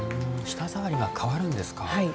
舌ざわりが変わるんですか。